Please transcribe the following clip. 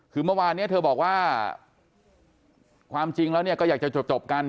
คือเมื่อวานนี้เธอบอกว่าความจริงแล้วเนี่ยก็อยากจะจบกัน